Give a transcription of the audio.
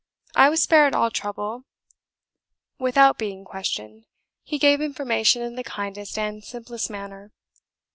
I was spared all trouble without being questioned, he gave information in the kindest and simplest manner.